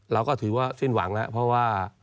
เราก็ถือว่าสิ้นหวังแล้ว